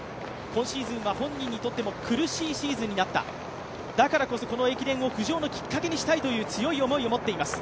今シーズンは本人にとっても苦しいシーズンになった、だからこそこの駅伝を浮上のきっかけにしたいという思いを口にしています。